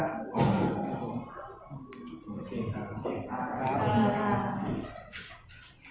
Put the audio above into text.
ขอบคุณครับครับ